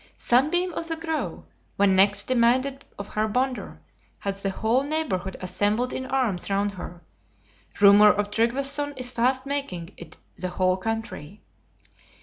Sunbeam of the Grove, when next demanded of her Bonder, has the whole neighborhood assembled in arms round her; rumor of Tryggveson is fast making it the whole country.